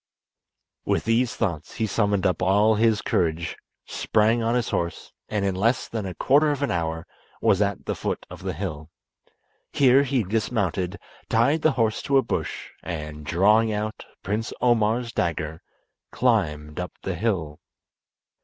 With these thoughts he summoned up all his courage sprang on his horse, and in less than a quarter of an hour was at the foot of the hill. Here he dismounted, tied the horse to a bush, and, drawing out Prince Omar's dagger climbed up the hill.